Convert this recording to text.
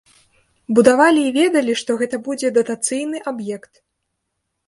Будавалі і ведалі, што гэта будзе датацыйны аб'ект.